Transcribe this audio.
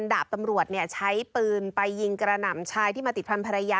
ดาบตำรวจใช้ปืนไปยิงกระหน่ำชายที่มาติดพันธรรยา